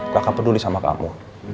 kakak peduli sama kamu